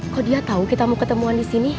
kok dia tahu kita mau ketemuan di sini